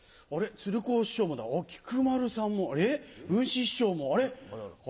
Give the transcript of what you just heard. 鶴光師匠もだ菊丸さんもえっ文枝師匠も。